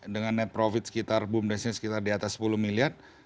dengan net profit sekitar bumdes ini sekitar di atas sepuluh miliar